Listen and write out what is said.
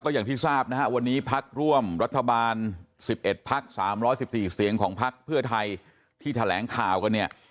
อย่างที่ทราบนะฮะวันนี้พักร่วมรัฐบาล๑๑พัก๓๑๔เสียงของพักเพื่อไทยที่แถลงข่าวกันเนี่ย